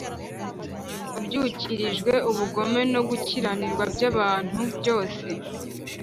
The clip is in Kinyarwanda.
ubyukirijwe ubugome no gukiranirwa by’abantu byose